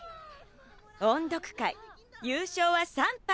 音読会優勝は３班！